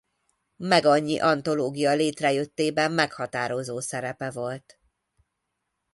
Megannyi antológia létrejöttében meghatározó szerepe volt.